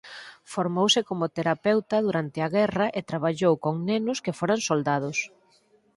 Formouse como terapeuta durante a guerra e traballou con nenos que foran soldados.